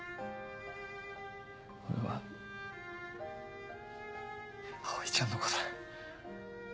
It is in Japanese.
俺は葵ちゃんのこと。